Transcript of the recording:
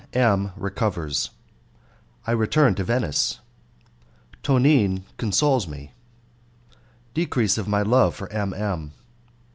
M. Recovers I Return to Venice Tonine Consoles Me Decrease of My Love For M. M.